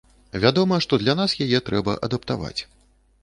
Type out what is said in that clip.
Вядома, што для нас яе трэба адаптаваць.